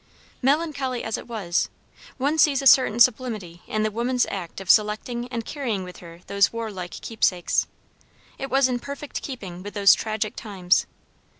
Melancholy as it was, one sees a certain sublimity in the woman's act of selecting and carrying with her those warlike keepsakes. It was in perfect keeping with those tragic times.